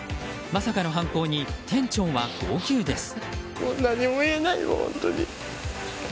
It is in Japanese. まさかの犯行に店長は号泣です。